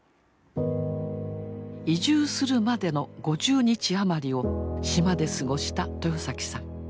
移住するまでの５０日余りを島で過ごした豊さん。